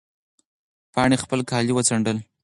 پاڼې خپل کالي وڅنډل.